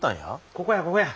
ここやここや！